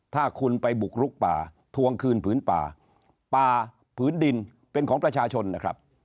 ถ้าคุณไปบุกลุกป่าทวงคืนผืนป่าป่าผืนดินเป็นของประชาชนนะครับ